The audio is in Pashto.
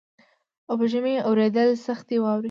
او په ژمي اورېدلې سختي واوري